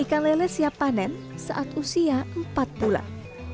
ikan lele siap panen saat usia empat bulan